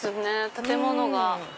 建物が。